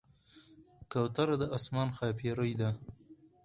کوتره د آسمان ښاپېرۍ ده.